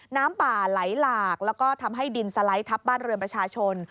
น้ำป่าไหลหลากแล้วก็ทำให้ดินสไลด์ทับบ้านเรือนประชาชน